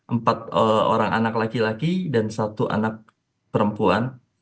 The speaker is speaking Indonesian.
empat orang anak laki laki dan satu anak perempuan